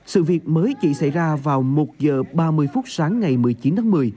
sự việc mới chỉ xảy ra vào một h ba mươi phút sáng ngày một mươi chín tháng một mươi